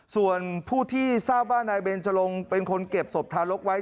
ส่วนผู้ที่ทราบว่านายเบนจรงเป็นคนเก็บศพทารกไว้